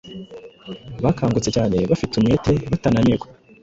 Bakangutse cyane, bafite umwete, batananirwa,